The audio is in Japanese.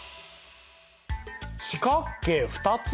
四角形２つ？